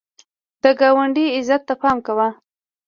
د ګاونډي عزت ته پام کوه